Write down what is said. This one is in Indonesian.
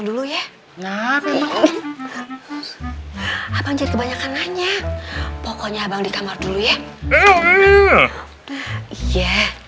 dulu ya nah memang abang jadi kebanyakan nanya pokoknya abang di kamar dulu ya iya